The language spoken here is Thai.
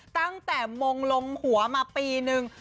ตั้งแต่มงลงหัวมาปีนึง